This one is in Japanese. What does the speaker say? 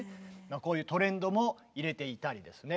こういうトレンドも入れていたりですね。